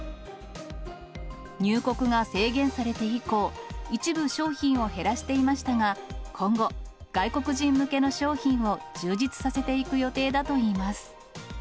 入国が制限されて以降、一部商品を減らしていましたが、今後、外国人向けの商品を充実させていく予定だといいます。